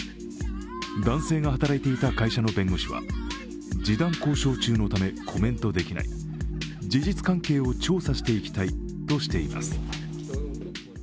男性が働いていた会社の弁護士は示談交渉中のためコメントできない事実関係を調査していきたいとしています。